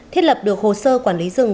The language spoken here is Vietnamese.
thiết lập được hồ sơ quản lý rừng